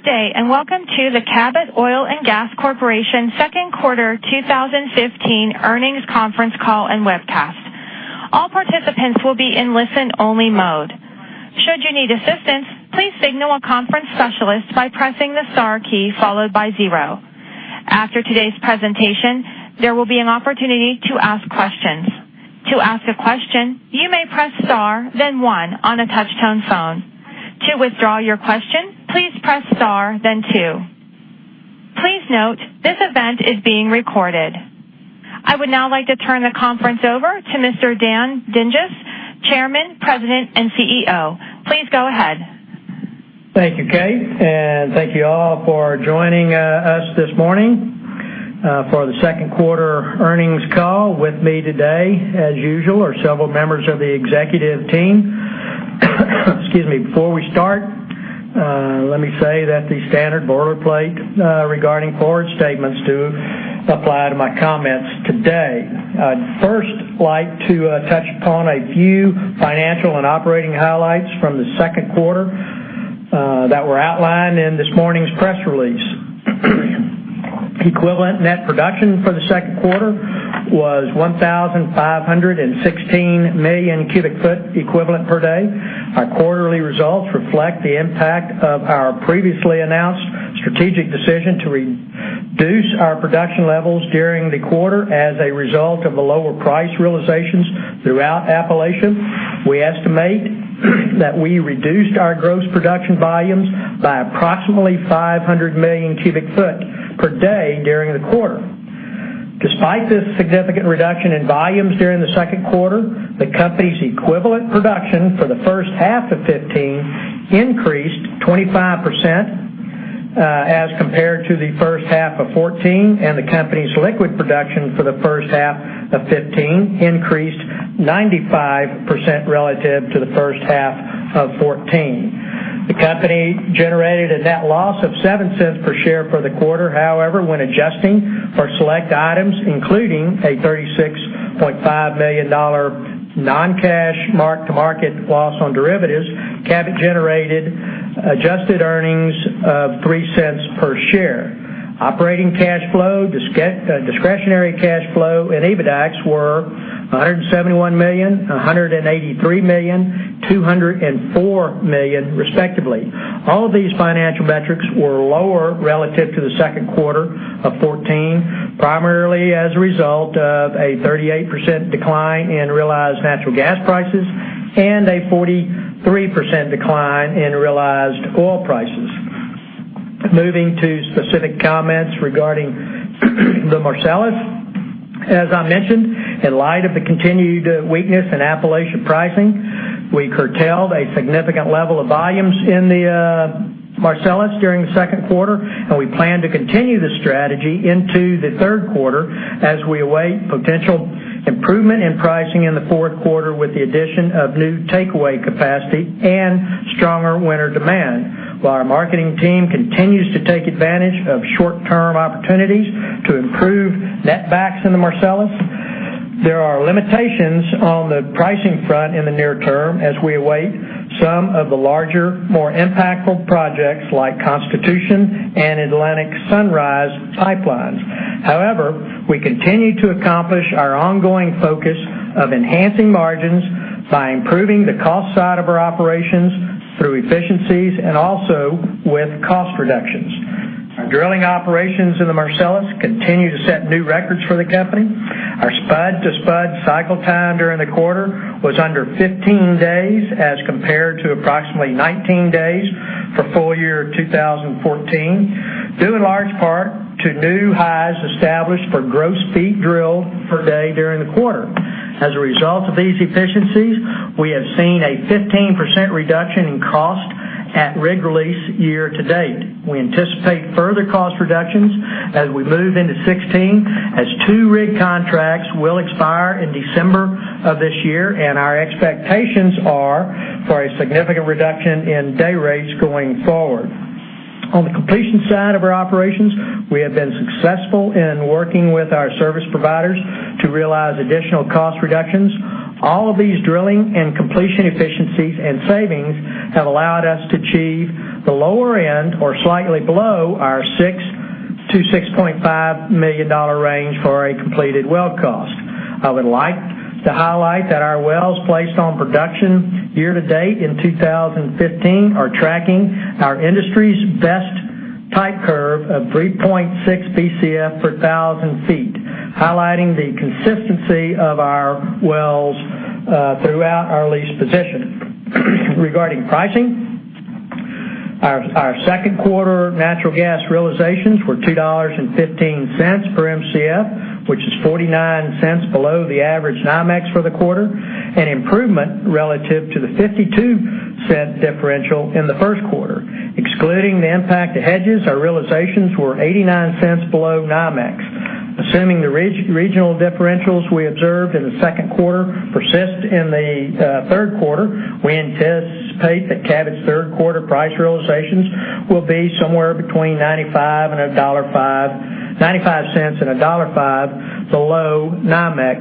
Good day, and welcome to the Cabot Oil & Gas Corporation second quarter 2015 earnings conference call and webcast. All participants will be in listen-only mode. Should you need assistance, please signal a conference specialist by pressing the star key followed by 0. After today's presentation, there will be an opportunity to ask questions. To ask a question, you may press star then 1 on a touch-tone phone. To withdraw your question, please press star then 2. Please note, this event is being recorded. I would now like to turn the conference over to Mr. Dan Dinges, Chairman, President, and CEO. Please go ahead. Thank you, Kate, and thank you all for joining us this morning for the second quarter earnings call. With me today, as usual, are several members of the executive team. Excuse me. Before we start, let me say that the standard boilerplate regarding forward statements do apply to my comments today. I'd first like to touch upon a few financial and operating highlights from the second quarter that were outlined in this morning's press release. Equivalent net production for the second quarter was 1,516 million cubic foot equivalent per day. Our quarterly results reflect the impact of our previously announced strategic decision to reduce our production levels during the quarter as a result of the lower price realizations throughout Appalachia. We estimate that we reduced our gross production volumes by approximately 500 million cubic foot per day during the quarter. Despite this significant reduction in volumes during the second quarter, the company's equivalent production for the first half of 2015 increased 25% as compared to the first half of 2014, and the company's liquid production for the first half of 2015 increased 95% relative to the first half of 2014. The company generated a net loss of $0.07 per share for the quarter. However, when adjusting for select items, including a $36.5 million non-cash mark-to-market loss on derivatives, Cabot generated adjusted earnings of $0.03 per share. Operating cash flow, discretionary cash flow and EBITDAX were $171 million, $183 million, $204 million respectively. All of these financial metrics were lower relative to the second quarter of 2014, primarily as a result of a 38% decline in realized natural gas prices and a 43% decline in realized oil prices. Moving to specific comments regarding the Marcellus. As I mentioned, in light of the continued weakness in Appalachian pricing, we curtailed a significant level of volumes in the Marcellus during the second quarter, and we plan to continue this strategy into the third quarter as we await potential improvement in pricing in the fourth quarter with the addition of new takeaway capacity and stronger winter demand. While our marketing team continues to take advantage of short-term opportunities to improve netbacks in the Marcellus, there are limitations on the pricing front in the near term as we await some of the larger, more impactful projects like Constitution and Atlantic Sunrise Pipelines. We continue to accomplish our ongoing focus of enhancing margins by improving the cost side of our operations through efficiencies and also with cost reductions. Our drilling operations in the Marcellus continue to set new records for the company. Our spud to spud cycle time during the quarter was under 15 days as compared to approximately 19 days for full year 2014, due in large part to new highs established for gross feet drilled per day during the quarter. As a result of these efficiencies, we have seen a 15% reduction in cost at rig release year to date. We anticipate further cost reductions as we move into 2016, as two rig contracts will expire in December of this year, and our expectations are for a significant reduction in day rates going forward. On the completion side of our operations, we have been successful in working with our service providers to realize additional cost reductions. All of these drilling and completion efficiencies and savings have allowed us to achieve the lower end or slightly below our $6 million-$6.5 million range for a completed well cost. I would like to highlight that our wells placed on production year to date in 2015 are tracking our industry's best type curve of 3.6 Bcf per thousand feet, highlighting the consistency of our wells throughout our lease position. Regarding pricing, our second quarter natural gas realizations were $2.15 per Mcf, which is $0.49 below the average NYMEX for the quarter, an improvement relative to the $0.52 differential in the first quarter. Excluding the impact of hedges, our realizations were $0.89 below NYMEX. Assuming the regional differentials we observed in the second quarter persist in the third quarter, we anticipate that Cabot's third quarter price realizations will be somewhere between $0.95 and $1.5 below NYMEX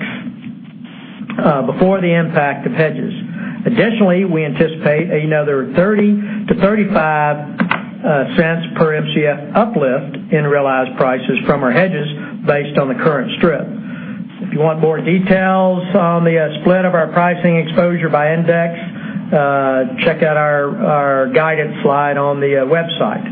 before the impact of hedges. Additionally, we anticipate another $0.30 to $0.35 per Mcf uplift in realized prices from our hedges based on the current strip. If you want more details on the split of our pricing exposure by index, check out our guidance slide on the website.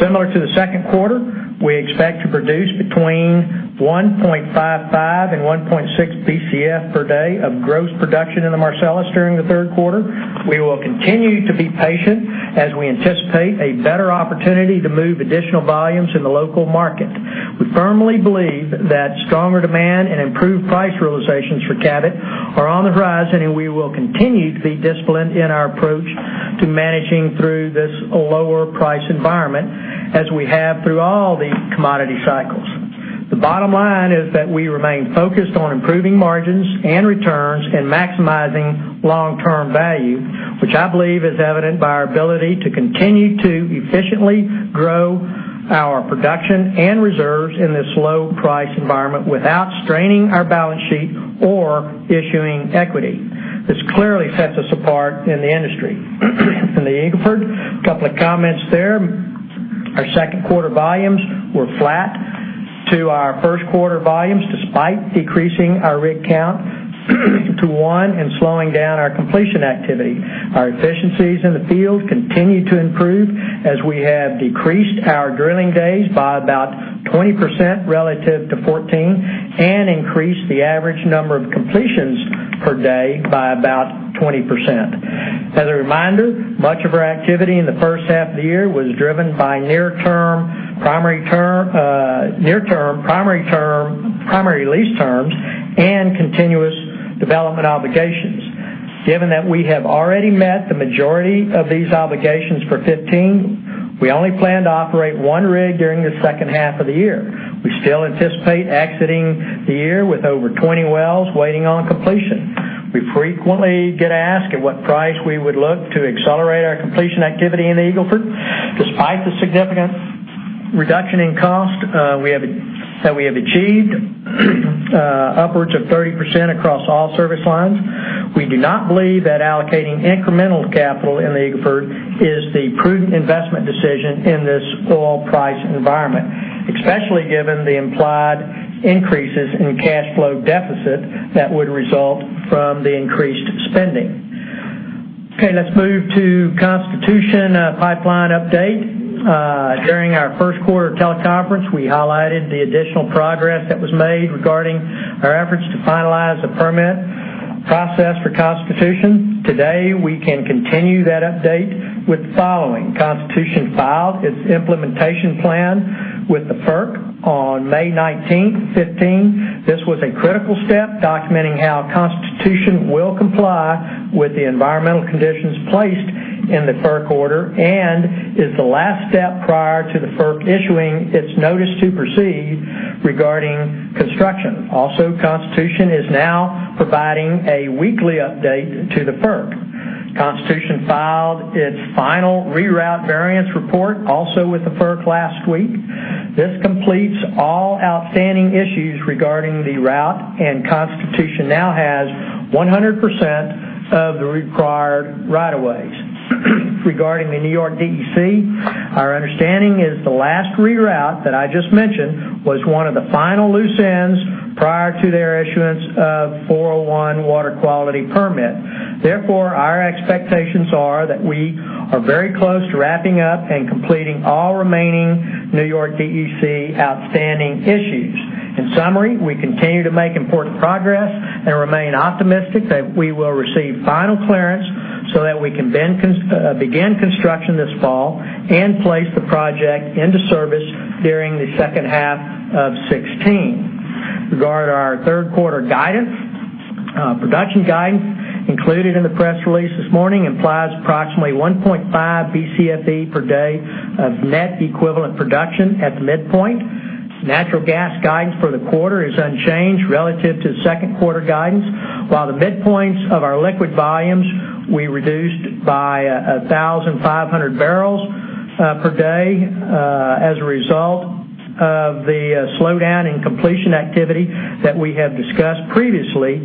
Similar to the second quarter, we expect to produce between 1.55 and 1.6 Bcf per day of gross production in the Marcellus during the third quarter. We will continue to be patient as we anticipate a better opportunity to move additional volumes in the local market. We firmly believe that stronger demand and improved price realizations for Cabot are on the horizon, and we will continue to be disciplined in our approach to managing through this lower price environment as we have through all the commodity cycles. The bottom line is that we remain focused on improving margins and returns and maximizing long-term value, which I believe is evident by our ability to continue to efficiently grow our production and reserves in this low price environment without straining our balance sheet or issuing equity. This clearly sets us apart in the industry. In the Eagle Ford, a couple of comments there. Our second quarter volumes were flat to our first quarter volumes, despite decreasing our rig count to one and slowing down our completion activity. Our efficiencies in the field continue to improve as we have decreased our drilling days by about 20% relative to 2014 and increased the average number of completions per day by about 20%. As a reminder, much of our activity in the first half of the year was driven by near-term, primary lease terms, and continuous development obligations. Given that we have already met the majority of these obligations for 2015, we only plan to operate one rig during the second half of the year. We still anticipate exiting the year with over 20 wells waiting on completion. We frequently get asked at what price we would look to accelerate our completion activity in the Eagle Ford. Despite the significant reduction in cost that we have achieved upwards of 30% across all service lines, we do not believe that allocating incremental capital in the Eagle Ford is the prudent investment decision in this oil price environment, especially given the implied increases in cash flow deficit that would result from the increased spending. Okay, let's move to Constitution Pipeline update. During our first quarter teleconference, we highlighted the additional progress that was made regarding our efforts to finalize the permit process for Constitution. Today, we can continue that update with the following. Constitution filed its implementation plan with the FERC on May 19, 2015. This was a critical step documenting how Constitution will comply with the environmental conditions placed in the FERC order and is the last step prior to the FERC issuing its notice to proceed regarding construction. Also, Constitution is now providing a weekly update to the FERC. Constitution filed its final reroute variance report also with the FERC last week. This completes all outstanding issues regarding the route, and Constitution now has 100% of the required right of ways. Regarding the New York DEC, our understanding is the last reroute that I just mentioned was one of the final loose ends prior to their issuance of Section 401 water quality permit. Therefore, our expectations are that we are very close to wrapping up and completing all remaining New York DEC outstanding issues. In summary, we continue to make important progress and remain optimistic that we will receive final clearance so that we can begin construction this fall and place the project into service during the second half of 2016. Regarding our third quarter guidance. Production guidance included in the press release this morning implies approximately 1.5 BCFE per day of net equivalent production at the midpoint. Natural gas guidance for the quarter is unchanged relative to second quarter guidance. While the midpoints of our liquid volumes, we reduced by 1,500 barrels per day as a result of the slowdown in completion activity that we had discussed previously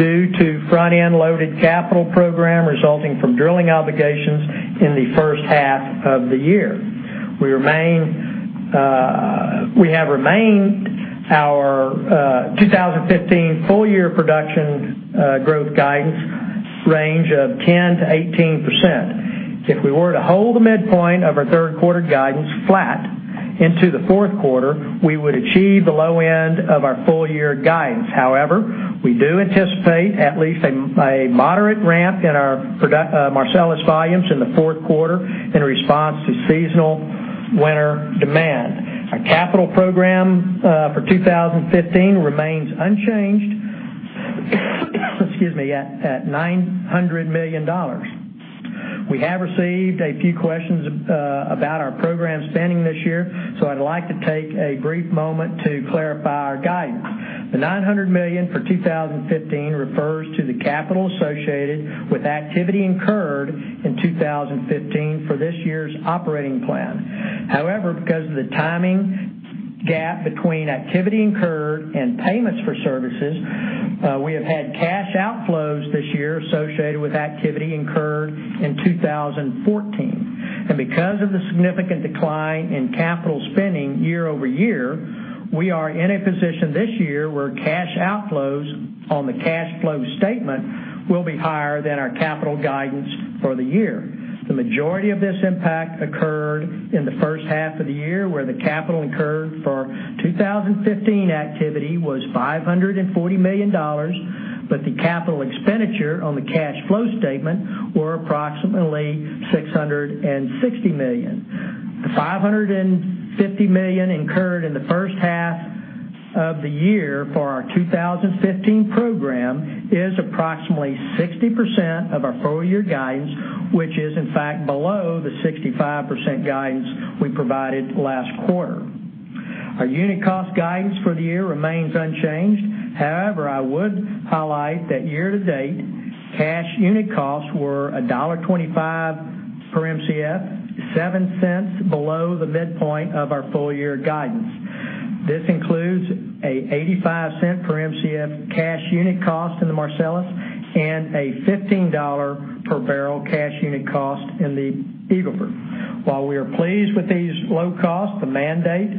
due to front-end loaded capital program resulting from drilling obligations in the first half of the year. We have remained our 2015 full year production growth guidance range of 10%-18%. If we were to hold the midpoint of our third quarter guidance flat into the fourth quarter, we would achieve the low end of our full year guidance. However, we do anticipate at least a moderate ramp in our Marcellus volumes in the fourth quarter in response to seasonal winter demand. Our capital program for 2015 remains unchanged at $900 million. We have received a few questions about our program spending this year, so I'd like to take a brief moment to clarify our guidance. The $900 million for 2015 refers to the capital associated with activity incurred in 2015 for this year's operating plan. However, because of the timing gap between activity incurred and payments for services, we have had cash outflows this year associated with activity incurred in 2014. Because of the significant decline in capital spending year-over-year, we are in a position this year where cash outflows on the cash flow statement will be higher than our capital guidance for the year. The majority of this impact occurred in the first half of the year, where the capital incurred for 2015 activity was $540 million. The capital expenditure on the cash flow statement were approximately $660 million. The $550 million incurred in the first half of the year for our 2015 program is approximately 60% of our full-year guidance, which is in fact below the 65% guidance we provided last quarter. Our unit cost guidance for the year remains unchanged. However, I would highlight that year-to-date, cash unit costs were $1.25 per Mcf, $0.07 below the midpoint of our full-year guidance. This includes an $0.85 per Mcf cash unit cost in the Marcellus and a $15 per barrel cash unit cost in the Eagle Ford. While we are pleased with these low costs, the mandate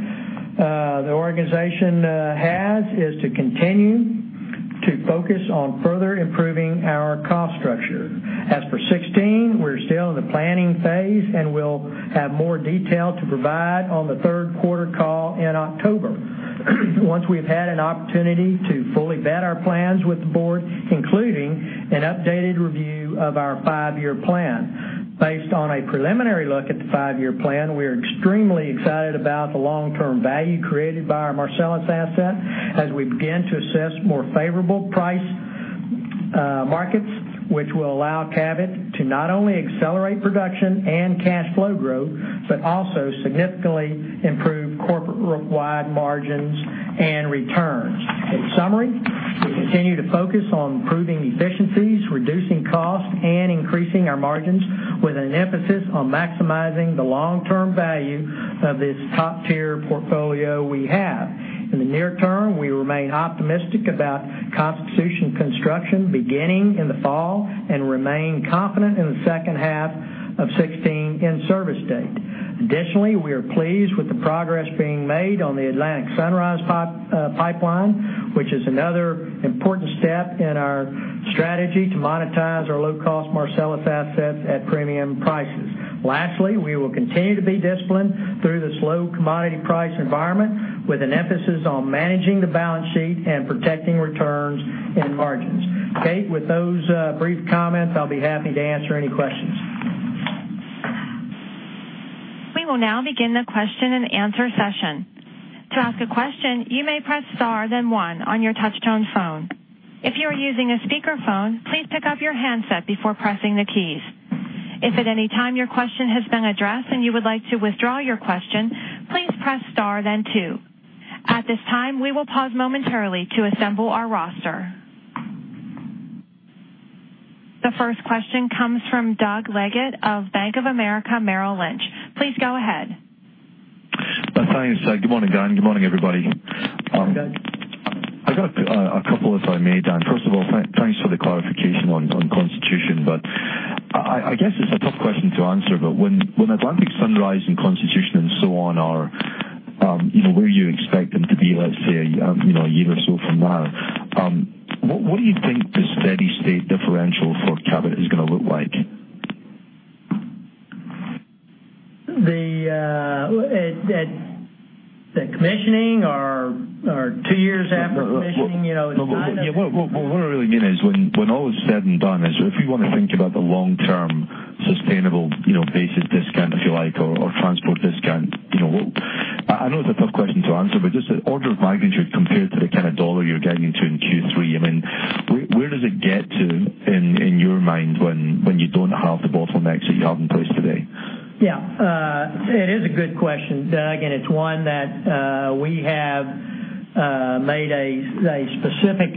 the organization has is to continue to focus on further improving our cost structure. As for 2016, we are still in the planning phase, and will have more detail to provide on the third quarter call in October once we have had an opportunity to fully vet our plans with the board, including an updated review of our five-year plan. Based on a preliminary look at the five-year plan, we are extremely excited about the long-term value created by our Marcellus asset as we begin to assess more favorable price markets, which will allow Cabot to not only accelerate production and cash flow growth, but also significantly improve corporate-wide margins and returns. In summary, we continue to focus on improving efficiencies, reducing costs, and increasing our margins with an emphasis on maximizing the long-term value of this top-tier portfolio we have. In the near term, we remain optimistic about Constitution construction beginning in the fall and remain confident in the second half of 2016 in-service date. Additionally, we are pleased with the progress being made on the Atlantic Sunrise Pipeline, which is another important step in our strategy to monetize our low-cost Marcellus assets at premium prices. Lastly, we will continue to be disciplined through this low commodity price environment, with an emphasis on managing the balance sheet and protecting returns and margins. Kate, with those brief comments, I will be happy to answer any questions. We will now begin the question and answer session. To ask a question, you may press star then one on your touchtone phone. If you are using a speakerphone, please pick up your handset before pressing the keys. If at any time your question has been addressed and you would like to withdraw your question, please press star then two. At this time, we will pause momentarily to assemble our roster. The first question comes from Doug Leggate of Bank of America Merrill Lynch. Please go ahead. Thanks. Good morning, Dan. Good morning, everybody. Good morning. I got a couple, if I may, Dan. First of all, thanks for the clarification on Constitution, I guess it's a tough question to answer. When Atlantic Sunrise and Constitution and so on are where you expect them to be, let's say, a year or so from now, what do you think the steady-state differential for Cabot is going to look like? The commissioning or two years after commissioning? Yeah. What I really mean is when all is said and done is if you want to think about the long-term sustainable basis discount, if you like, or transport discount. I know it's a tough question to answer, but just the order of magnitude compared to the kind of dollar you're getting into in Q3, where does it get to in your mind when you don't have the bottlenecks that you have in place today? Yeah. It is a good question, Doug. It's one that we have made a specific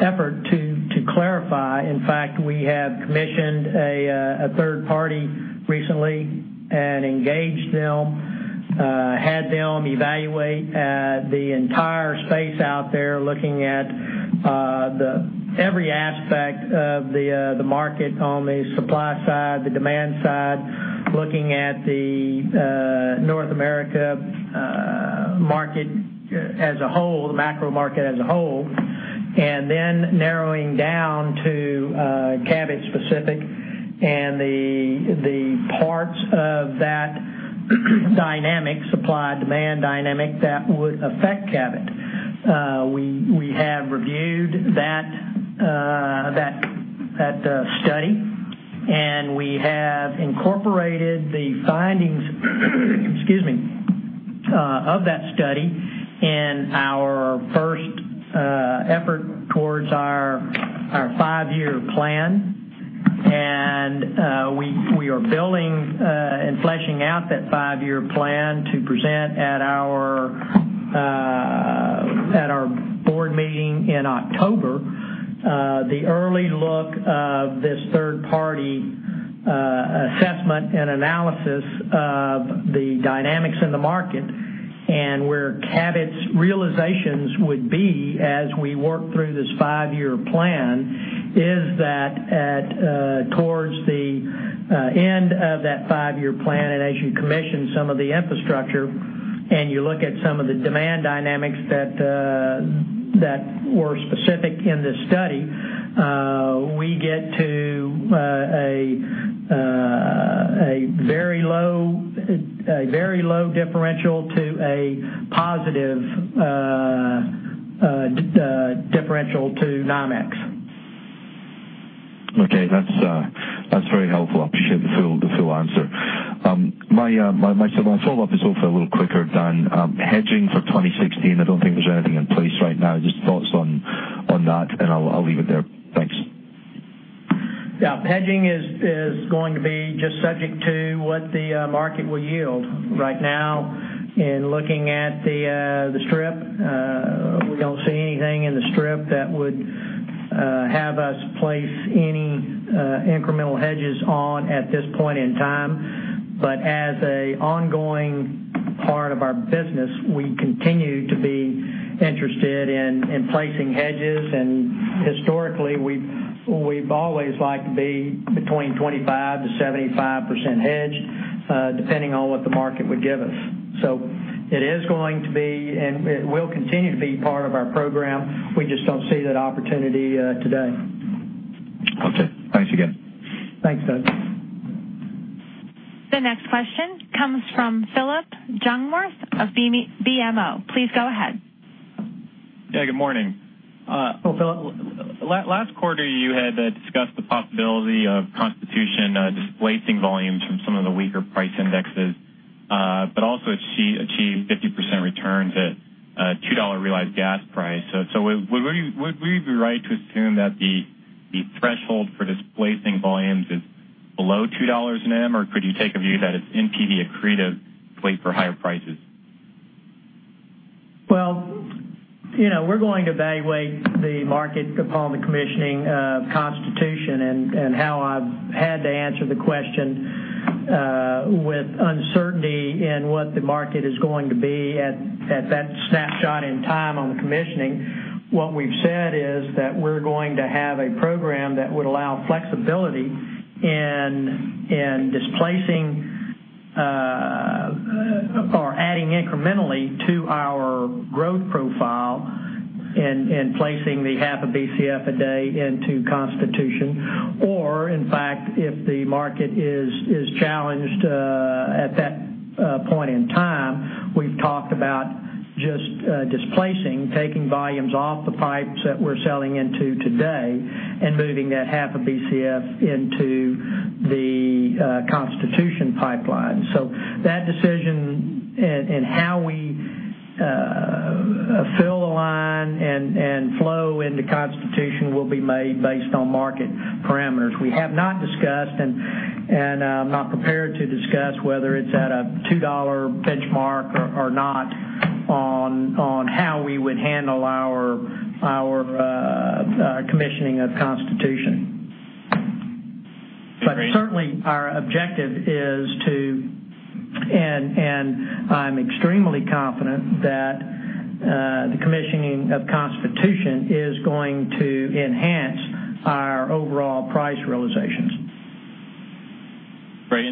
effort to clarify. In fact, we have commissioned a third party recently and engaged them, had them evaluate the entire space out there, looking at every aspect of the market on the supply side, the demand side, looking at the North America market as a whole, the macro market as a whole, narrowing down to Cabot specific and the parts of that supply-demand dynamic that would affect Cabot. We have reviewed that study. We have incorporated the findings of that study in our first effort towards our five-year plan. We are building and fleshing out that five-year plan to present at our board meeting in October. The early look of this third-party assessment and analysis of the dynamics in the market and where Cabot's realizations would be as we work through this five-year plan is that towards the end of that five-year plan, as you commission some of the infrastructure and you look at some of the demand dynamics that were specific in this study, we get to a very low differential to a positive differential to NYMEX. Okay. That's very helpful. I appreciate the full answer. My follow-up is also a little quicker than hedging for 2016. I don't think there's anything in place right now. Just thoughts on that. I'll leave it there. Thanks. Yeah. Hedging is going to be just subject to what the market will yield. Right now, in looking at the strip, we don't see anything in the strip that would have us place any incremental hedges on at this point in time. As an ongoing part of our business, we continue to be interested in placing hedges. Historically, we've always liked to be between 25%-75% hedged, depending on what the market would give us. It is going to be, and it will continue to be part of our program. We just don't see that opportunity today. Okay. Thanks again. Thanks, Doug. The next question comes from Philip Jungwirth of BMO. Please go ahead. Yeah, good morning. Hello, Phillip. Last quarter, you had discussed the possibility of Constitution displacing volumes from some of the weaker price indexes, but also achieved 50% returns at a $2 realized gas price. Would we be right to assume that the threshold for displacing volumes is below $2 an M, or could you take a view that it's NPV accretive wait for higher prices? Well, we're going to evaluate the market upon the commissioning of Constitution and how I've had to answer the question with uncertainty in what the market is going to be at that snapshot in time on the commissioning. What we've said is that we're going to have a program that would allow flexibility in displacing or adding incrementally to our growth profile in placing the half a Bcf a day into Constitution. In fact, if the market is challenged at that point in time, we've talked about just displacing, taking volumes off the pipes that we're selling into today and moving that half a Bcf into the Constitution pipeline. That decision and how we fill the line and flow into Constitution will be made based on market parameters. We have not discussed, I'm not prepared to discuss whether it's at a $2 benchmark or not on how we would handle our commissioning of Constitution. Great. Certainly our objective is to, and I'm extremely confident that the commissioning of Constitution is going to enhance our overall price realizations. Great.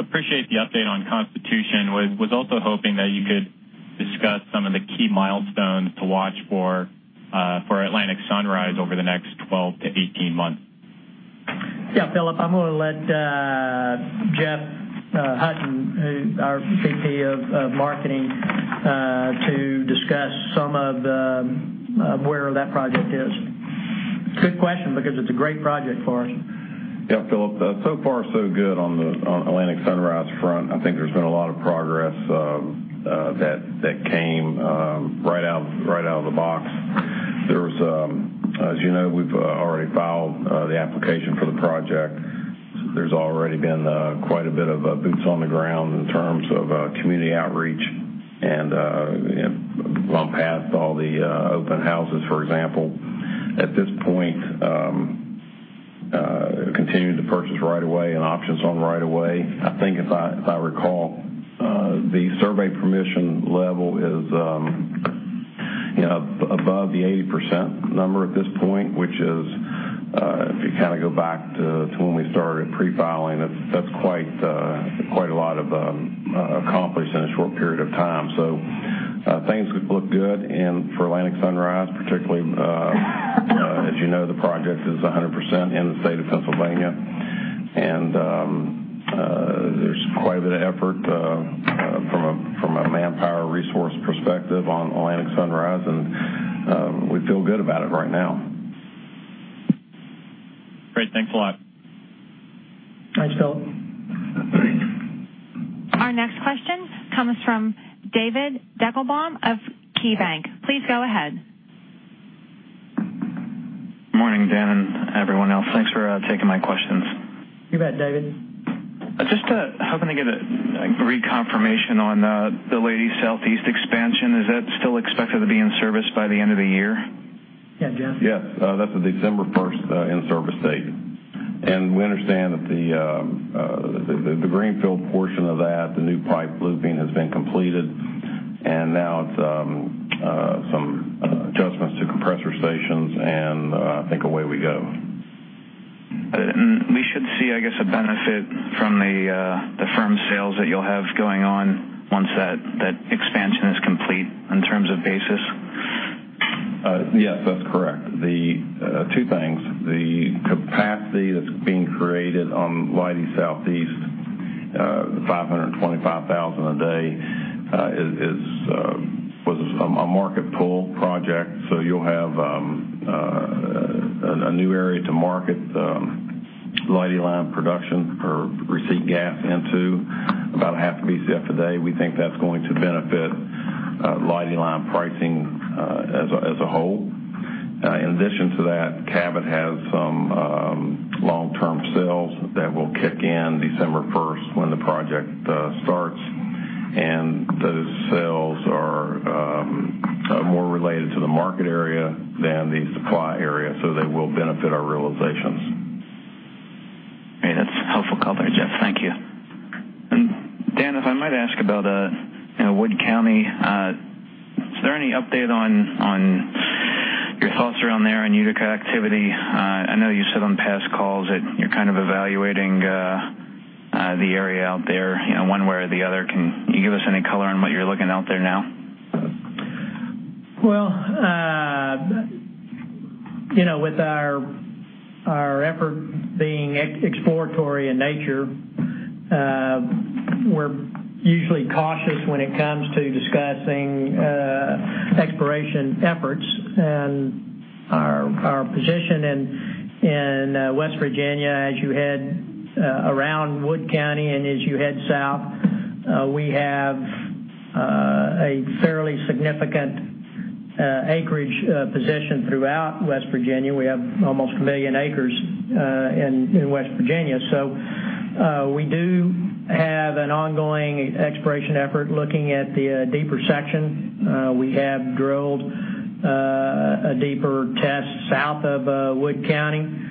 Appreciate the update on Constitution. Was also hoping that you could discuss some of the key milestones to watch for Atlantic Sunrise over the next 12 to 18 months. Yeah. Phillip, I'm going to let Jeffrey Hutton, our VP of Marketing, to discuss some of where that project is. Good question because it's a great project for us. Yeah, Phillip. So far so good on Atlantic Sunrise front. I think there's been a lot of progress that came right out of the box. As you know, we've already filed the application for the project. There's already been quite a bit of boots on the ground in terms of community outreach and have gone past all the open houses, for example. At this point, continuing to purchase right of way and options on right of way. I think if I recall, the survey permission level is above the 80% number at this point, which is if you go back to when we started pre-filing, that's quite a lot of accomplish in a short period of time. Things look good for Atlantic Sunrise particularly. As you know, the project is 100% in the state of Pennsylvania, and there's quite a bit of effort from a manpower resource perspective on Atlantic Sunrise, and we feel good about it right now. Great. Thanks a lot. Thanks, Phillip. Our next question comes from David Deckelbaum of KeyBanc. Please go ahead. Morning, Dan, and everyone else. Thanks for taking my questions. You bet, David. Just hoping to get a reconfirmation on the Leidy Southeast expansion. Is that still expected to be in service by the end of the year? Yeah, Jeff. Yes. That's a December 1st in-service date. We understand that the greenfield portion of that, the new pipe looping has been completed, and now it's some adjustments to compressor stations, and I think away we go. We should see, I guess, a benefit from the firm sales that you'll have going on once that expansion is complete in terms of basis. Yes, that's correct. Two things. The capacity that's being created on Leidy Southeast, the 525,000 a day, was a market pull project, so you'll have a new area to market Leidy Line production or receipt gas into about a half a BCF today. We think that's going to benefit Leidy Line pricing as a whole. In addition to that, Cabot has some long-term sales that will kick in December 1st when the project starts, and those sales are more related to the market area than the supply area, so they will benefit our realizations. Okay. That's a helpful color, Jeff. Thank you. Dan, if I might ask about Wood County. Is there any update on your thoughts around there on Utica activity? I know you said on past calls that you're kind of evaluating the area out there one way or the other. Can you give us any color on what you're looking out there now? Well, with our effort being exploratory in nature, we're usually cautious when it comes to discussing exploration efforts and our position in West Virginia as you head around Wood County and as you head south. We have a fairly significant acreage position throughout West Virginia. We have almost a million acres in West Virginia. We do have an ongoing exploration effort looking at the deeper section. We have drilled a deeper test south of Wood County,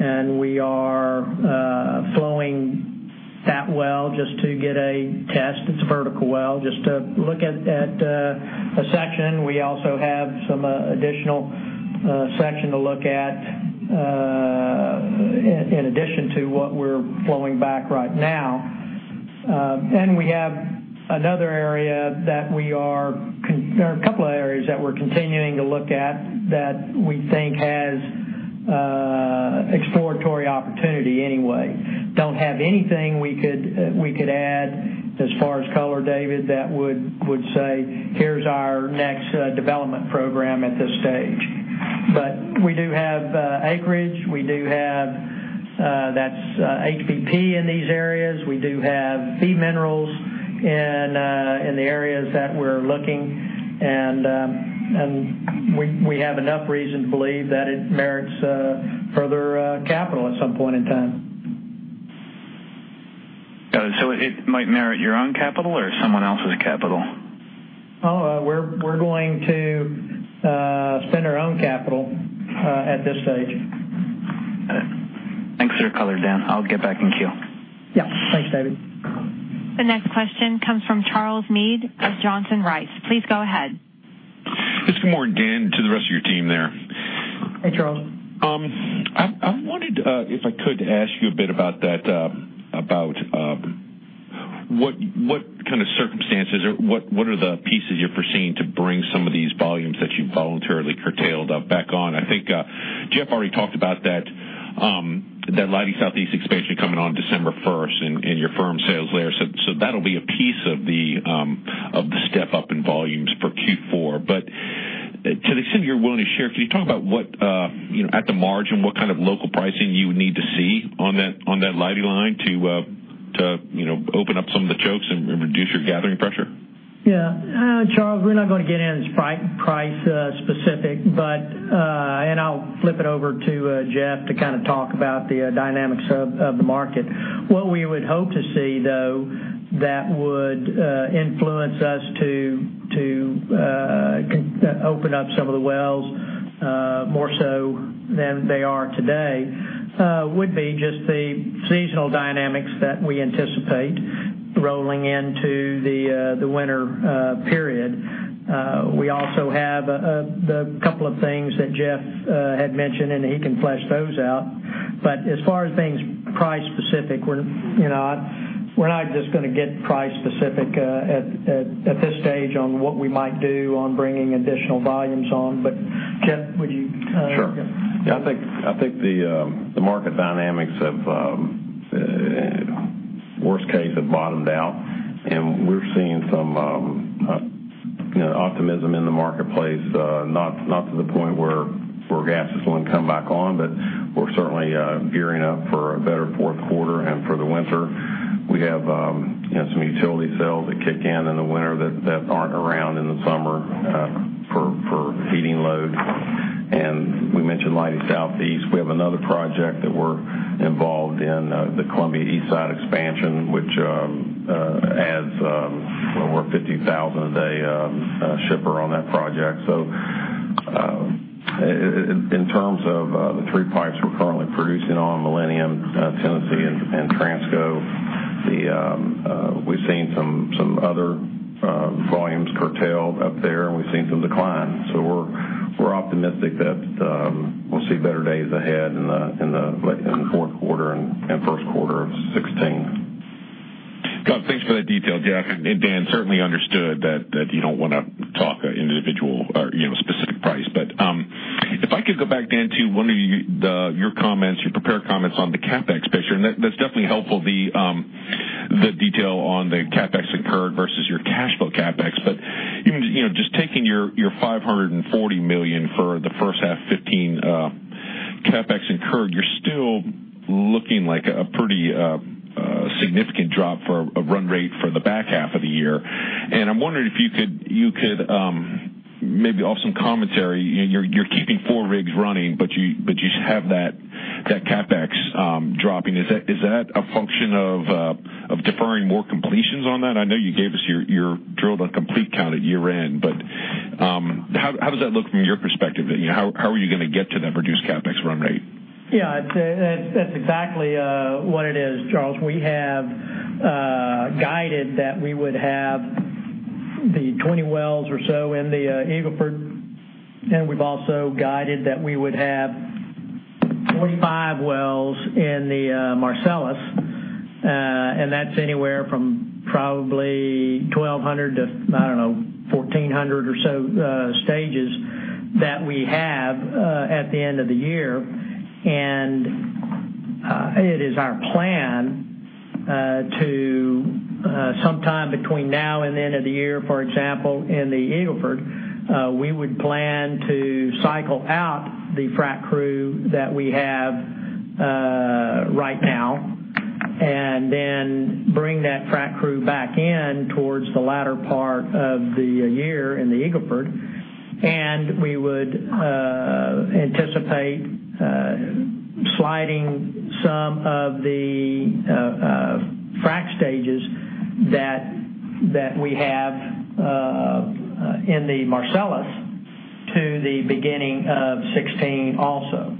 and we are flowing that well just to get a test. It's a vertical well, just to look at a section. We also have some additional section to look at in addition to what we're flowing back right now. We have a couple of areas that we're continuing to look at that we think has exploratory opportunity anyway. Don't have anything we could add as far as color, David, that would say, "Here's our next development program at this stage." We do have acreage. We do have HBP in these areas. We do have B minerals in the areas that we're looking. We have enough reason to believe that it merits further capital at some point in time. It might merit your own capital or someone else's capital? We're going to spend our own capital at this stage. Got it. Thanks for your color, Dan. I'll get back in queue. Yeah. Thanks, David. The next question comes from Charles Meade of Johnson Rice. Please go ahead. Just good morning, Dan, to the rest of your team there. Hey, Charles. I wanted, if I could, to ask you a bit about what kind of circumstances or what are the pieces you're foreseeing to bring some of these volumes that you voluntarily curtailed of back on? I think Jeff already talked about that Leidy Southeast expansion coming on December 1st and your firm sales there. That'll be a piece of the step-up in volumes for Q4. To the extent you're willing to share, can you talk about at the margin, what kind of local pricing you would need to see on that Leidy Line to open up some of the chokes and reduce your gathering pressure? Yeah. Charles, we're not going to get into price specific, and I'll flip it over to Jeff to talk about the dynamics of the market. What we would hope to see, though, that would influence us to open up some of the wells, more so than they are today, would be just the seasonal dynamics that we anticipate rolling into the winter period. We also have a couple of things that Jeff had mentioned, and he can flesh those out. As far as things price specific, we're not just going to get price specific at this stage on what we might do on bringing additional volumes on. Jeff, would you? Sure. Yeah, I think the market dynamics have, worst case, have bottomed out and we're seeing some optimism in the marketplace. Not to the point where gas is going to come back on, but we're certainly gearing up for a better fourth quarter and for the winter. We have some utility sales that kick in the winter that aren't around in the summer for heating load. We mentioned Leidy Southeast. We have another project that we're involved in, the Columbia East Side expansion, which adds over 50,000 a day shipper on that project. In terms of the three pipes we're currently producing on Millennium, Tennessee, and TransCo, we've seen some other volumes curtailed up there, and we've seen some decline. We're optimistic that we'll see better days ahead in the fourth quarter and first quarter of 2016. Scott, thanks for that detail. Jeff and Dan certainly understood that you don't want to talk a individual or specific price. If I could go back, Dan, to one of your comments, your prepared comments on the CapEx picture, and that's definitely helpful, the detail on the CapEx incurred versus your cash flow CapEx. Even just taking your $540 million for the first half 2015 CapEx incurred, you're still looking like a pretty significant drop for a run rate for the back half of the year. I'm wondering if you could maybe offer some commentary. You're keeping four rigs running, but you have that CapEx dropping. Is that a function of deferring more completions on that? I know you gave us your drilled and complete count at year-end, but how does that look from your perspective? How are you going to get to that reduced CapEx run rate? Yeah, that's exactly what it is, Charles. We have guided that we would have the 20 wells or so in the Eagle Ford, and we've also guided that we would have 45 wells in the Marcellus. That's anywhere from probably 1,200 to, I don't know, 1,400 or so stages that we have at the end of the year. It is our plan to, sometime between now and the end of the year, for example, in the Eagle Ford, we would plan to cycle out the frac crew that we have right now, and then bring that frac crew back in towards the latter part of the year in the Eagle Ford. We would anticipate sliding some of the frac stages that we have in the Marcellus to the beginning of 2016 also.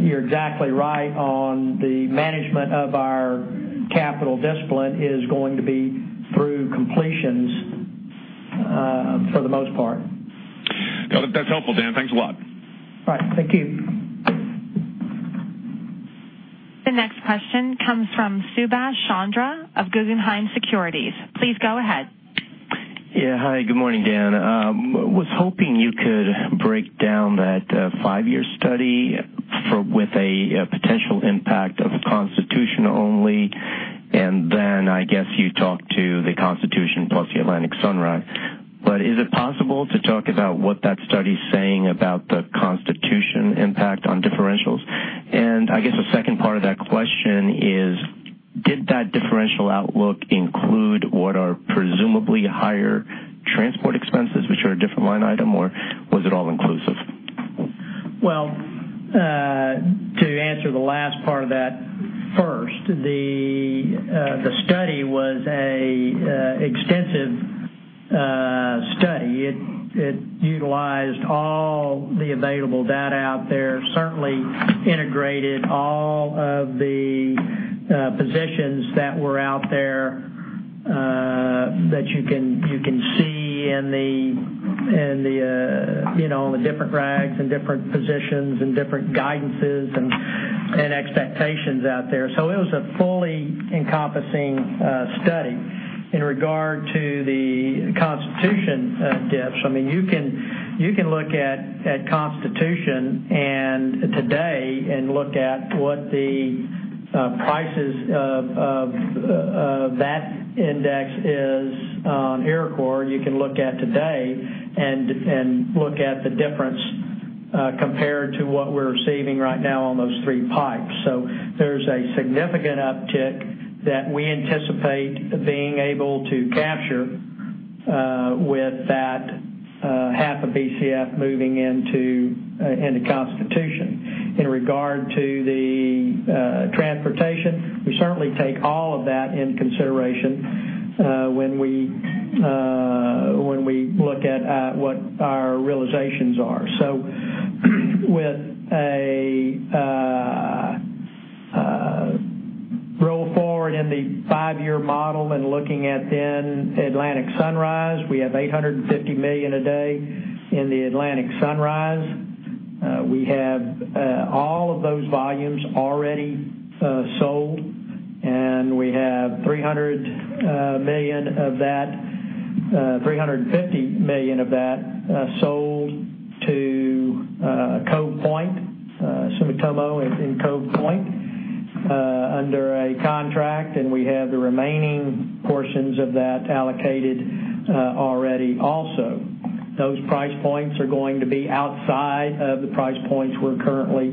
You're exactly right on the management of our capital discipline is going to be through completions for the most part. That's helpful, Dan. Thanks a lot. All right. Thank you. The next question comes from Subash Chandra of Guggenheim Securities. Please go ahead. Hi, good morning, Dan. I was hoping you could break down that five-year study with a potential impact of Constitution only. Then I guess you talked to the Constitution plus the Atlantic Sunrise. Is it possible to talk about what that study's saying about the Constitution impact on differentials? I guess the second part of that question is, did that differential outlook include what are presumably higher transport expenses, which are a different line item, or was it all inclusive? To answer the last part of that first, the study was an extensive study. It utilized all the available data out there, certainly integrated all of the positions that were out there that you can see in the different rags and different positions and different guidances and expectations out there. It was a fully encompassing study. In regard to the Constitution diffs, you can look at Constitution and today and look at what the prices of that index is on Iroquois. You can look at today and look at the difference compared to what we're receiving right now on those three pipes. There's a significant uptick that we anticipate being able to capture with that half of Bcf moving into Constitution. In regard to the transportation, we certainly take all of that in consideration when we look at what our realizations are. With a roll forward in the five-year model and looking at then Atlantic Sunrise, we have $850 million a day in the Atlantic Sunrise. We have all of those volumes already sold. We have $350 million of that sold to Cove Point, Sumitomo in Cove Point under a contract. We have the remaining portions of that allocated already also. Those price points are going to be outside of the price points we're currently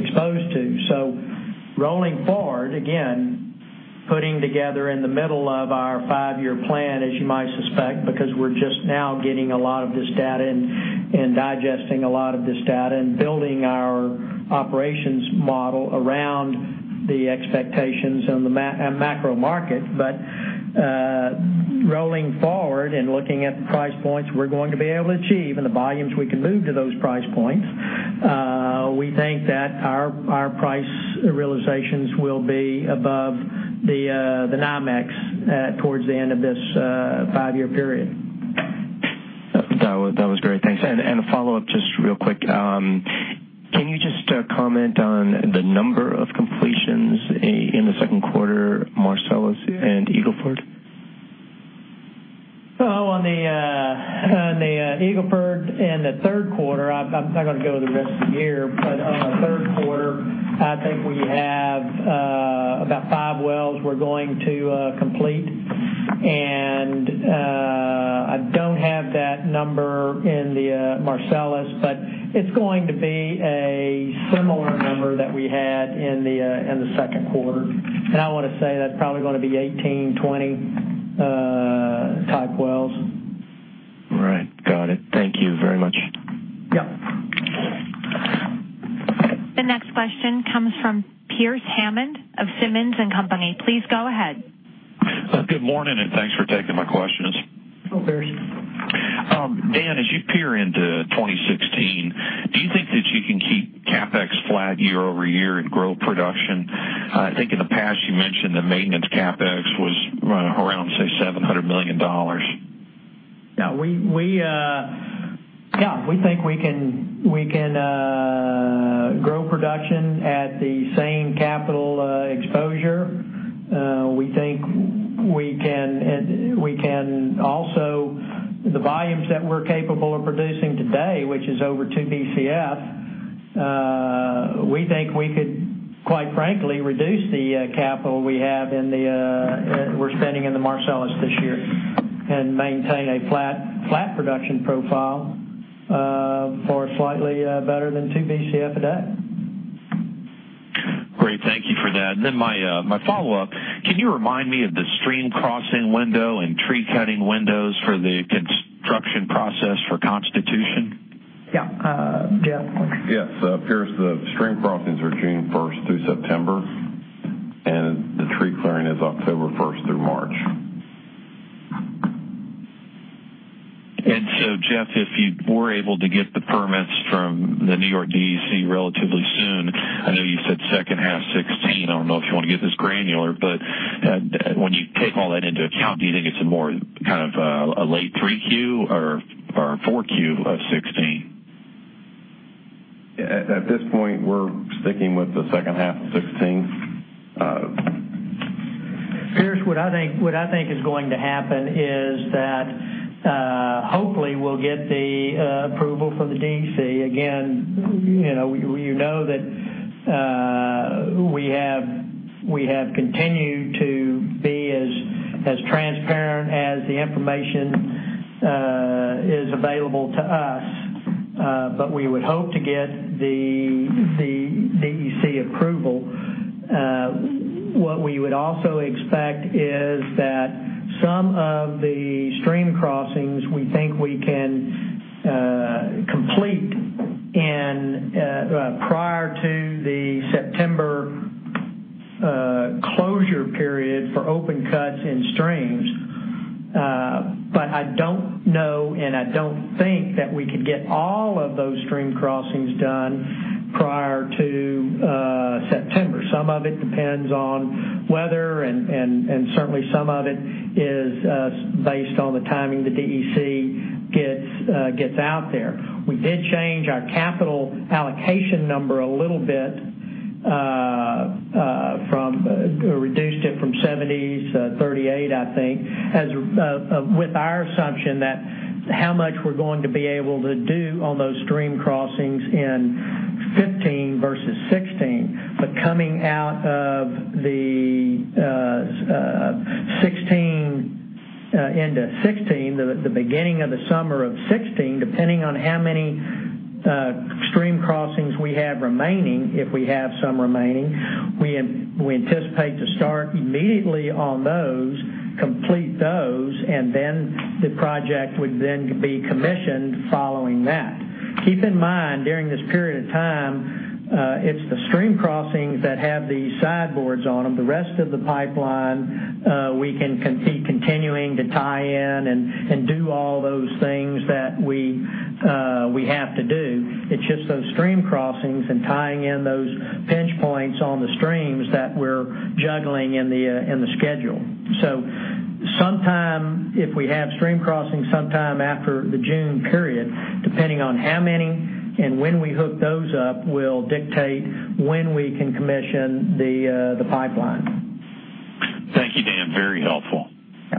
exposed to. Rolling forward, again, putting together in the middle of our five-year plan, as you might suspect, because we're just now getting a lot of this data and digesting a lot of this data and building our operations model around the expectations and the macro market. Rolling forward and looking at the price points we're going to be able to achieve and the volumes we can move to those price points, we think that our price realizations will be above the NYMEX towards the end of this five-year period. That was great. Thanks. A follow-up just real quick. Can you just comment on the number of completions in the second quarter, Marcellus and Eagle Ford? On the Eagle Ford in the third quarter, I'm not going to go with the rest of the year, on the third quarter, I think we have about five wells we're going to complete. I don't have that number in the Marcellus, it's going to be a similar number that we had in the second quarter. I want to say that's probably going to be 18, 20 type wells. Right. Got it. Thank you very much. Yeah. The next question comes from Pearce Hammond of Simmons & Company. Please go ahead. Good morning, thanks for taking my questions. Go Pearce. Dan, as you peer into 2016, do you think that you can keep CapEx flat year-over-year and grow production? I think in the past you mentioned the maintenance CapEx was around, say, $700 million. Yeah. We think we can grow production at the same capital exposure. The volumes that we're capable of producing today, which is over two Bcf, we think we could quite frankly reduce the capital we're spending in the Marcellus this year and maintain a flat production profile for slightly better than two Bcf a day. Great. Thank you for that. My follow-up, can you remind me of the stream crossing window and tree cutting windows for the construction process for Constitution? Yeah. Jeff? Yes. Pearce, the stream crossings are June 1st through September, and the tree clearing is October 1st through March. Jeff, if you were able to get the permits from the New York DEC relatively soon, I know you said second half 2016, I don't know if you want to get this granular, but when you take all that into account, do you think it's a more late 3Q or 4Q of 2016? At this point, we're sticking with the second half of 2016. Pearce, what I think is going to happen is that hopefully we'll get the approval from the DEC. Again, you know that we have continued to be as transparent as the information is available to us. We would hope to get the DEC approval. What we would also expect is that some of the stream crossings we think we can complete prior to the September closure period for open cuts in streams. I don't know, and I don't think that we could get all of those stream crossings done prior to September. Some of it depends on weather, and certainly some of it is based on the timing the DEC gets out there. We did change our capital allocation number a little bit, reduced it from 70 to 38, I think, with our assumption that how much we're going to be able to do on those stream crossings in 2015 versus 2016. Coming out of the end of 2016, the beginning of the summer of 2016, depending on how many stream crossings we have remaining, if we have some remaining, we anticipate to start immediately on those, complete those, and then the project would then be commissioned following that. Keep in mind, during this period of time, it's the stream crossings that have the sideboards on them. The rest of the pipeline, we can keep continuing to tie in and do all those things that we have to do. It's just those stream crossings and tying in those pinch points on the streams that we're juggling in the schedule. Sometime, if we have stream crossing sometime after the June period, depending on how many and when we hook those up will dictate when we can commission the pipeline. Thank you, Dan. Very helpful. Yeah.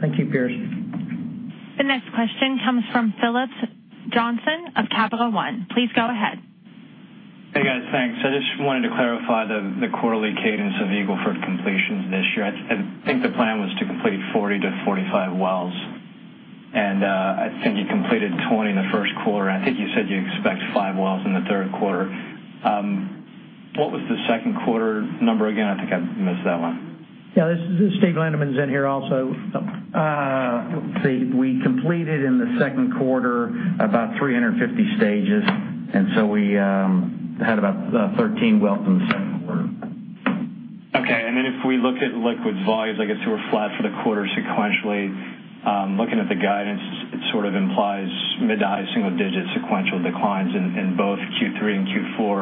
Thank you, Pearce. The next question comes from Phillips Johnston of Capital One. Please go ahead. Hey guys, thanks. I just wanted to clarify the quarterly cadence of Eagle Ford completions this year. I think the plan was to complete 40-45 wells, and I think you completed 20 in the first quarter, and I think you said you expect five wells in the third quarter. What was the second quarter number again? I think I missed that one. Yeah. Steven Lindeman's in here also. Let's see, we completed in the second quarter about 350 stages, so we had about 13 wells in the second quarter. Okay. Then if we look at liquids volumes, I guess you were flat for the quarter sequentially. Looking at the guidance, it sort of implies mid to high single-digit sequential declines in both Q3 and Q4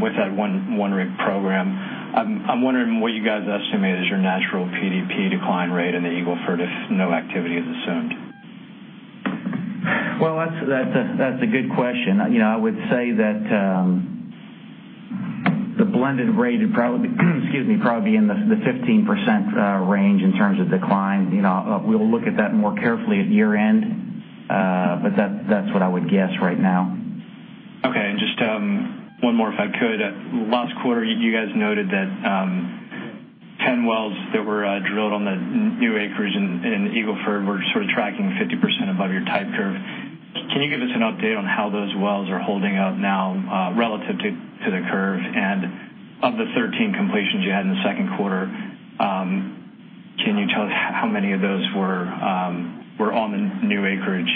with that one rig program. I'm wondering what you guys estimate is your natural PDP decline rate in the Eagle Ford if no activity is assumed. Well, that's a good question. I would say that the blended rate would probably be in the 15% range in terms of decline. We'll look at that more carefully at year-end, that's what I would guess right now. Okay. Just one more, if I could. Last quarter, you guys noted that 10 wells that were drilled on the new acreage in Eagle Ford were sort of tracking 50% above your type curve. Can you give us an update on how those wells are holding up now relative to the curve? Of the 13 completions you had in the second quarter, can you tell how many of those were on the new acreage?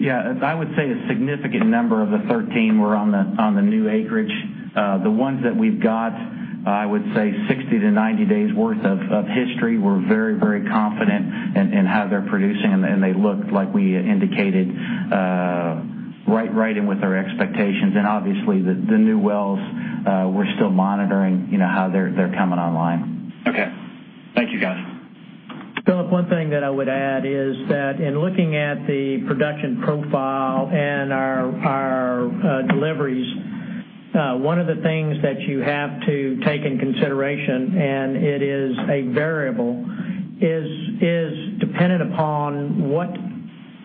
Yeah. I would say a significant number of the 13 were on the new acreage. The ones that we've got, I would say 60 to 90 days worth of history, we're very confident in how they're producing, and they look like we indicated, right in with our expectations. Obviously, the new wells we're still monitoring how they're coming online. Okay. Thank you, guys. Phillip, one thing that I would add is that in looking at the production profile and our deliveries, one of the things that you have to take in consideration, and it is a variable, is dependent upon what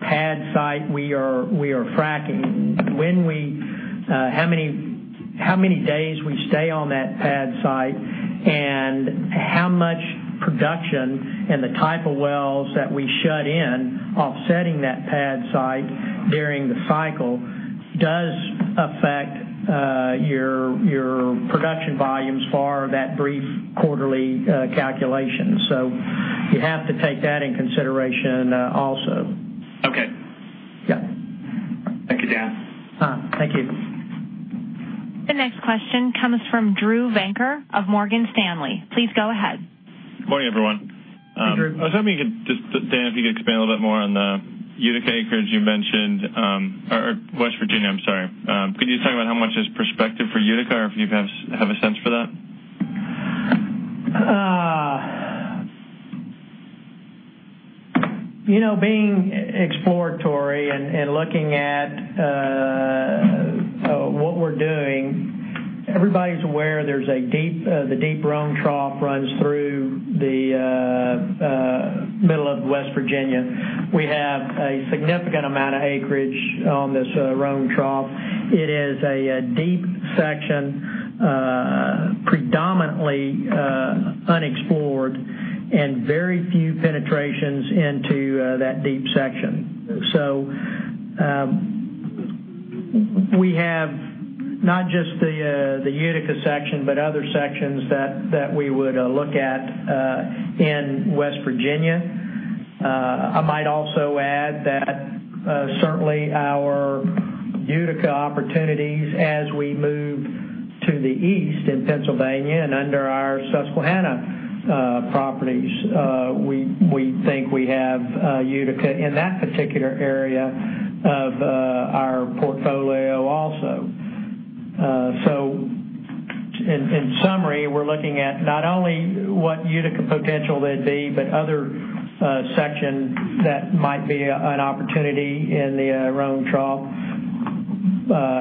pad site we are fracking. How many days we stay on that pad site and how much production, and the type of wells that we shut in offsetting that pad site during the cycle does affect your production volumes for that brief quarterly calculation. You have to take that in consideration also. Okay. Yeah. Thank you, Dan. Thank you. The next question comes from Evan Calio of Morgan Stanley. Please go ahead. Good morning, everyone. Hey, Evan. I was hoping Dan, if you could expand a little bit more on the Utica acreage you mentioned, or West Virginia, I'm sorry. Could you talk about how much is prospective for Utica, or if you have a sense for that? Being exploratory and looking at what we're doing, everybody's aware the Deep Rome Trough runs through the middle of West Virginia. We have a significant amount of acreage on this Rome Trough. It is a deep section, predominantly unexplored, and very few penetrations into that deep section. We have not just the Utica section, but other sections that we would look at in West Virginia. I might also add that certainly our Utica opportunities as we move to the east in Pennsylvania and under our Susquehanna properties, we think we have Utica in that particular area of our portfolio also. In summary, we're looking at not only what Utica potential there'd be, but other section that might be an opportunity in the Rome Trough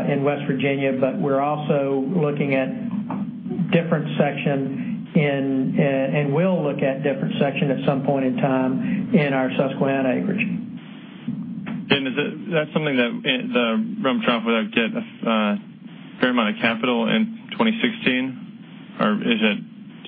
in West Virginia. We're also looking at different section, and will look at different section at some point in time in our Susquehanna acreage. Is that something that the Rome Trough would get a fair amount of capital in 2016, or is it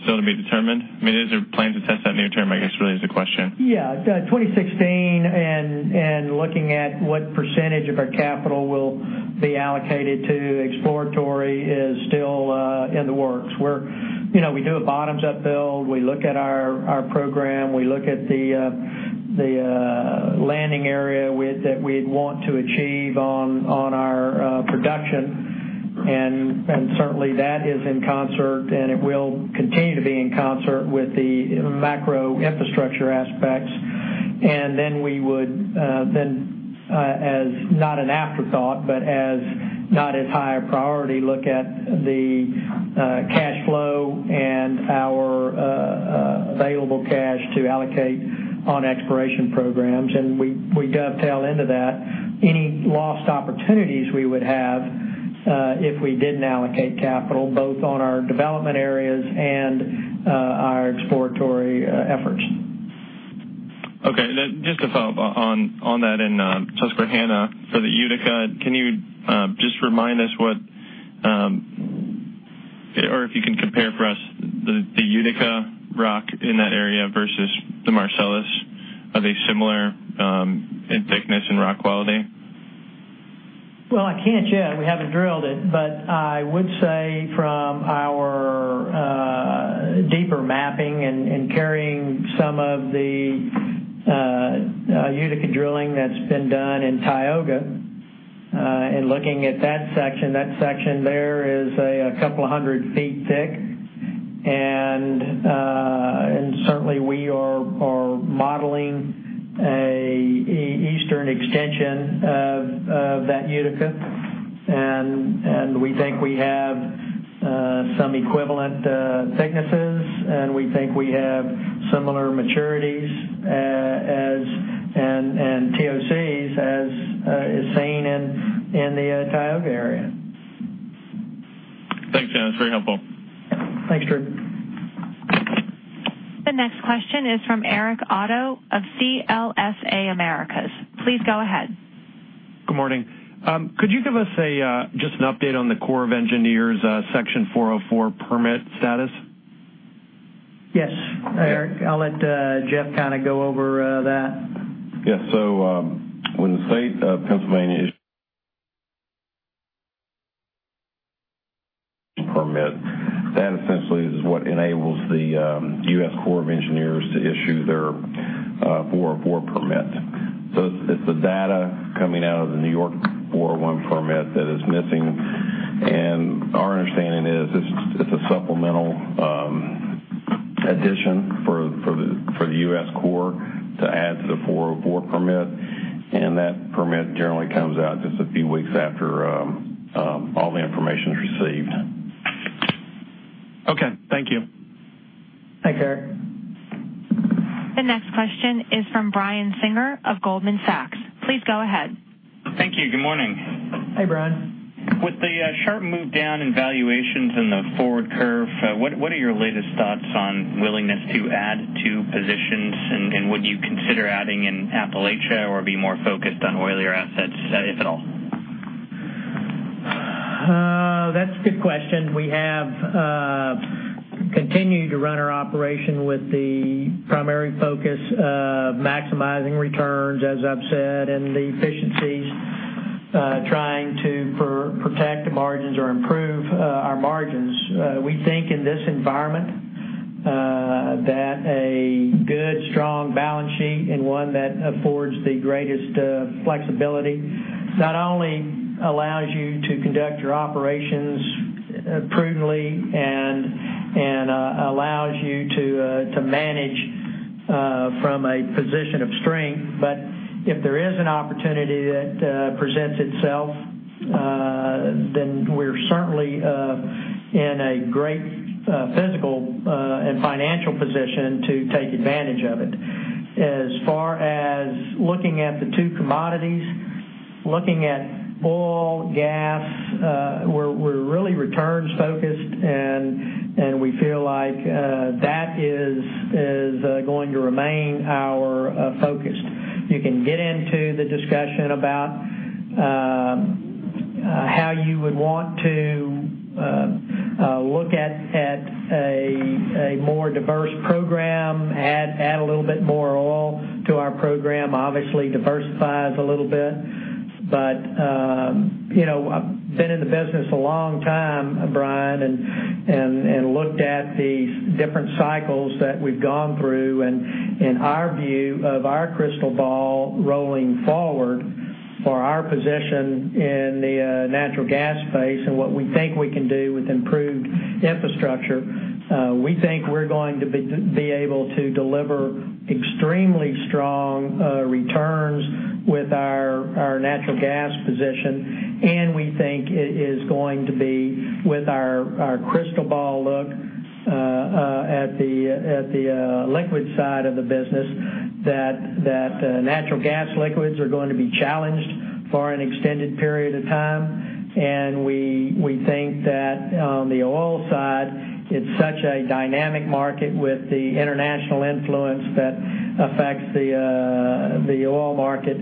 still to be determined? Is there plans to test that near term, I guess, really is the question. Yeah. 2016, looking at what % of our capital will be allocated to exploratory is still in the works. We do a bottoms-up build. We look at our program. We look at the landing area that we'd want to achieve on our production, certainly that is in concert, and it will continue to be in concert with the macro infrastructure aspects. We would then, as not an afterthought, but as not as high a priority, look at the cash flow and our available cash to allocate on exploration programs. We dovetail into that any lost opportunities we would have if we didn't allocate capital both on our development areas and our exploratory efforts. Okay. Just a follow-up on that in Susquehanna for the Utica. Can you just remind us or if you can compare for us the Utica rock in that area versus the Marcellus. Are they similar in thickness and rock quality? Well, I can't yet. We haven't drilled it, but I would say from our deeper mapping and carrying some of the Utica drilling that's been done in Tioga, and looking at that section, that section there is a couple of 100 feet thick, and certainly we are modeling an eastern extension of that Utica, and we think we have some equivalent thicknesses, and we think we have similar maturities and TOCs as is seen in the Tioga area. Thanks, Dan. That's very helpful. Thanks, Drew. The next question is from Eric See-Tho of CLSA Americas. Please go ahead. Good morning. Could you give us just an update on the Corps of Engineers Section 404 permit status? Yes. Eric, I'll let Jeff go over that. Yes. When the state of Pennsylvania permit, that essentially is what enables the U.S. Corps of Engineers to issue their 404 permit. It's the data coming out of the New York 401 permit that is missing, and our understanding is it's a supplemental addition for the U.S. Corps to add to the 404 permit, and that permit generally comes out just a few weeks after all the information's received. Okay. Thank you. Thanks, Eric. The next question is from Brian Singer of Goldman Sachs. Please go ahead. Thank you. Good morning. Hi, Brian. With the sharp move down in valuations in the forward curve, what are your latest thoughts on willingness to add to positions, and would you consider adding in Appalachia or be more focused on oilier assets, if at all? That's a good question. We have continued to run our operation with the primary focus of maximizing returns, as I've said, and the efficiencies, trying to protect the margins or improve our margins. We think in this environment that a good, strong balance sheet and one that affords the greatest flexibility not only allows you to conduct your operations prudently and allows you to manage from a position of strength, but if there is an opportunity that presents itself, then we're certainly in a great physical and financial position to take advantage of it. As far as looking at the two commodities, looking at oil, gas, we're really returns focused, and we feel like that is going to remain our focus. You can get into the discussion about how you would want to look at a more diverse program, add a little bit more oil to our program, obviously diversifies a little bit. I've been in the business a long time, Brian Singer, and looked at the different cycles that we've gone through and in our view of our crystal ball rolling forward for our position in the natural gas space and what we think we can do with improved infrastructure, we think we're going to be able to deliver extremely strong returns with our natural gas position, and we think it is going to be with our crystal ball look at the liquid side of the business that natural gas liquids are going to be challenged for an extended period of time. We think that on the oil side, it's such a dynamic market with the international influence that affects the oil market.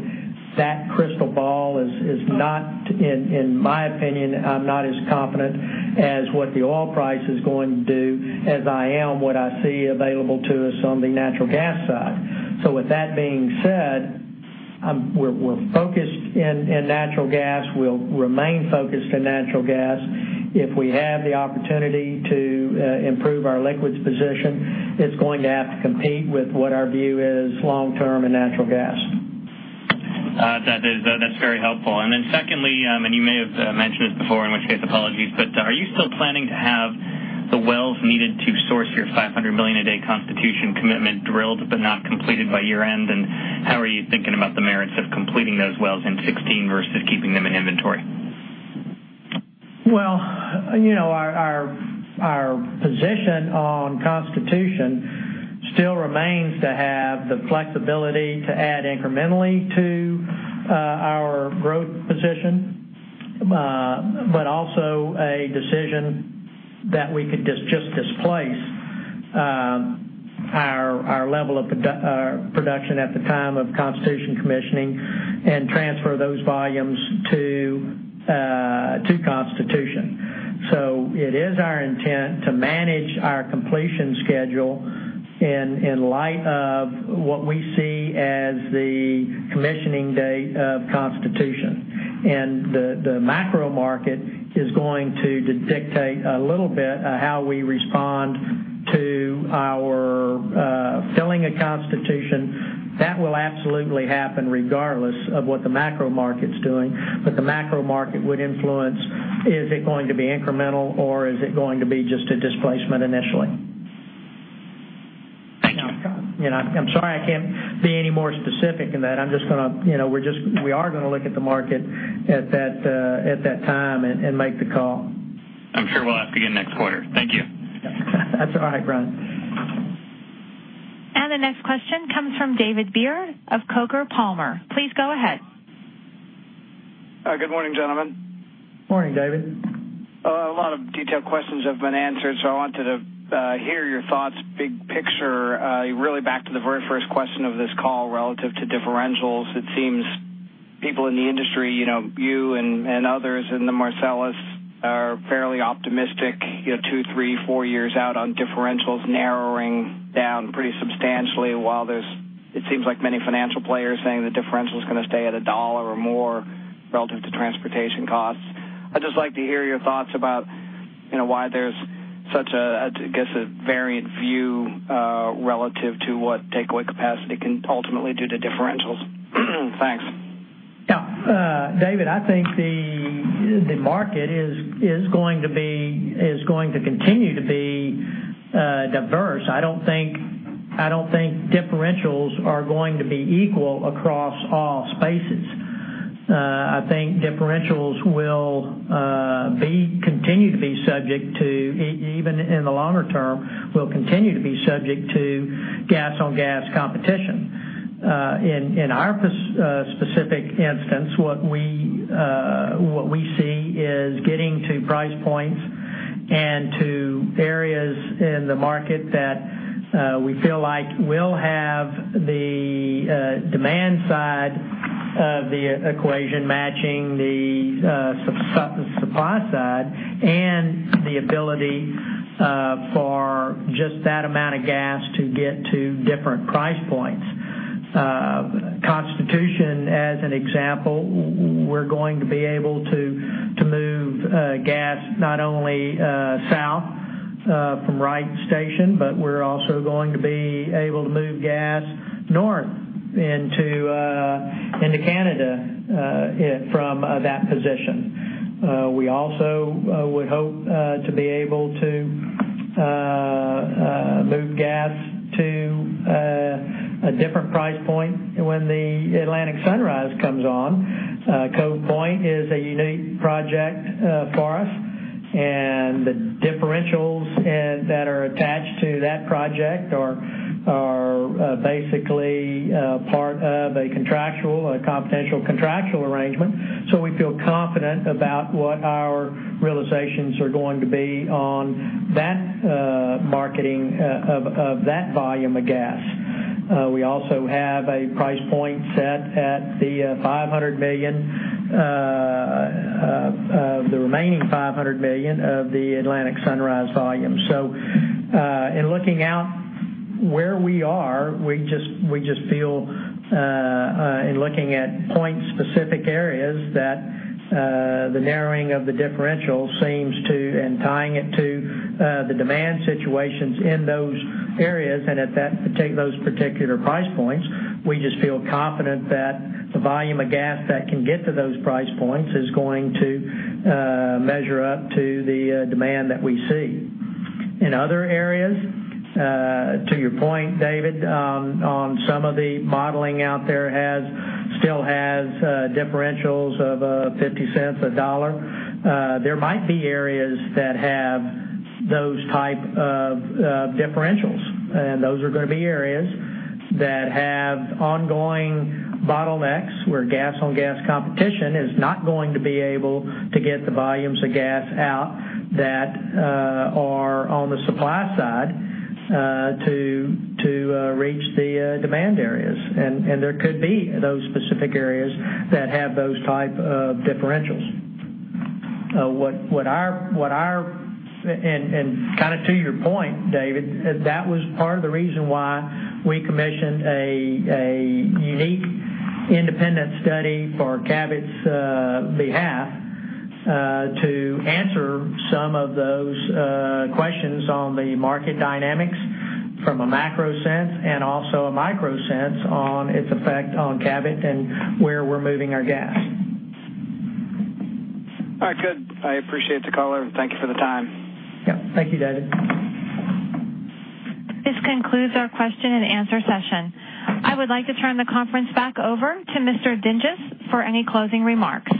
That crystal ball is not, in my opinion, I'm not as confident as what the oil price is going to do as I am what I see available to us on the natural gas side. With that being said, we're focused in natural gas. We'll remain focused in natural gas. If we have the opportunity to improve our liquids position, it's going to have to compete with what our view is long term in natural gas. That's very helpful. Then secondly, you may have mentioned this before, in which case, apologies, are you still planning to have the wells needed to source your 500 million a day Constitution commitment drilled but not completed by year-end? How are you thinking about the merits of completing those wells in 2016 versus keeping them in inventory? Well, our position on Constitution still remains to have the flexibility to add incrementally to our growth position. Also a decision that we could just displace our level of production at the time of Constitution commissioning and transfer those volumes to Constitution. It is our intent to manage our completion schedule in light of what we see as the commissioning date of Constitution. The macro market is going to dictate a little bit how we respond to our filling of Constitution. That will absolutely happen regardless of what the macro market's doing. The macro market would influence is it going to be incremental or is it going to be just a displacement initially? Thank you. I'm sorry I can't be any more specific than that. We are going to look at the market at that time and make the call. I'm sure we'll ask again next quarter. Thank you. That's all right, Brian. The next question comes from David Beer of Coker & Palmer. Please go ahead. Good morning, gentlemen. Morning, David. A lot of detailed questions have been answered, so I wanted to hear your thoughts big picture, really back to the very first question of this call relative to differentials. It seems people in the industry, you and others in the Marcellus are fairly optimistic two, three, four years out on differentials narrowing down pretty substantially while it seems like many financial players saying the differential's going to stay at $1 or more relative to transportation costs. I'd just like to hear your thoughts about why there's such a variant view relative to what takeaway capacity can ultimately do to differentials. Thanks. Yeah. David, I think the market is going to continue to be diverse. I don't think differentials are going to be equal across all spaces. I think differentials will continue to be subject to, even in the longer term, gas on gas competition. In our specific instance, what we see is getting to price points and to areas in the market that we feel like will have the demand side of the equation matching the supply side and the ability for just that amount of gas to get to different price points. Constitution, as an example, we're going to be able to move gas not only south from Wright Station, but we're also going to be able to move gas north into Canada from that position. We also would hope to be able to move gas to a different price point when the Atlantic Sunrise comes on. Cove Point is a unique project for us. The differentials that are attached to that project are basically part of a confidential contractual arrangement. We feel confident about what our realizations are going to be on that marketing of that volume of gas. We also have a price point set at the remaining $500 million of the Atlantic Sunrise volume. In looking out where we are, we just feel, in looking at point specific areas, that the narrowing of the differential seems to, and tying it to the demand situations in those areas and at those particular price points, we just feel confident that the volume of gas that can get to those price points is going to measure up to the demand that we see. In other areas, to your point, David, on some of the modeling out there still has differentials of $0.50, $1. There might be areas that have those type of differentials. Those are going to be areas that have ongoing bottlenecks where gas on gas competition is not going to be able to get the volumes of gas out that are on the supply side to reach the demand areas. There could be those specific areas that have those type of differentials. To your point, David, that was part of the reason why we commissioned a unique independent study for Cabot's behalf to answer some of those questions on the market dynamics from a macro sense and also a micro sense on its effect on Cabot and where we're moving our gas. All right, good. I appreciate the call. Thank you for the time. Yep. Thank you, David. This concludes our question and answer session. I would like to turn the conference back over to Mr. Dinges for any closing remarks.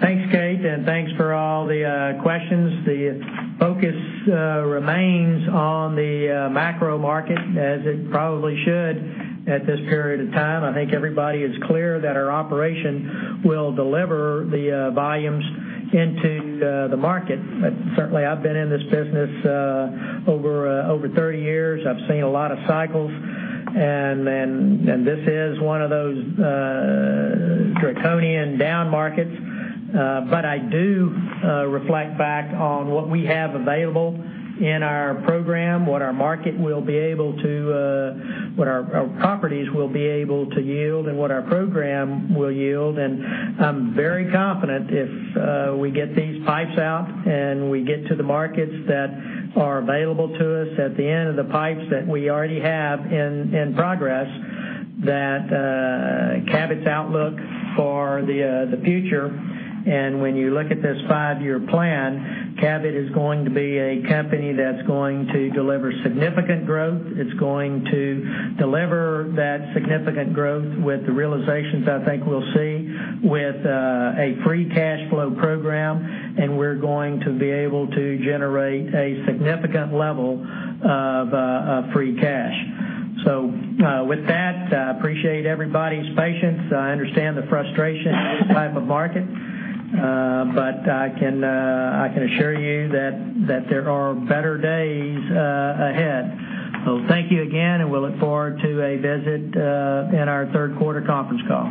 Thanks, Kate, and thanks for all the questions. The focus remains on the macro market as it probably should at this period of time. I think everybody is clear that our operation will deliver the volumes into the market. Certainly, I've been in this business over 30 years. I've seen a lot of cycles, and this is one of those draconian down markets. I do reflect back on what we have available in our program, what our properties will be able to yield, and what our program will yield. I'm very confident if we get these pipes out and we get to the markets that are available to us at the end of the pipes that we already have in progress, that Cabot's outlook for the future, and when you look at this five-year plan, Cabot is going to be a company that's going to deliver significant growth. It's going to deliver that significant growth with the realizations I think we'll see with a free cash flow program, and we're going to be able to generate a significant level of free cash. With that, I appreciate everybody's patience. I understand the frustration in this type of market. I can assure you that there are better days ahead. Thank you again, and we'll look forward to a visit in our third quarter conference call.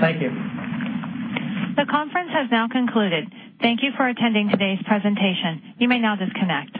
Thank you. The conference has now concluded. Thank you for attending today's presentation. You may now disconnect.